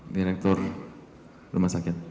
direktur rumah sakit